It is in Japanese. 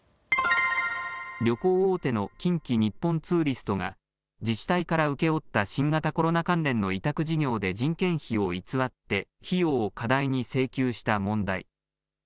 旅行大手の近畿日本ツーリストが自治体から請け負った新型コロナ関連の委託事業で人件費を偽って費用を過大に請求した問題。